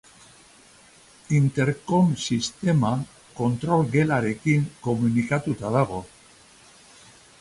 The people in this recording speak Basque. Interkom sistema kontrol-gelarekin komunikatuta dago.